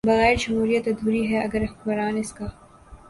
بغیر جمہوریت ادھوری ہے اگر حکمران اس کا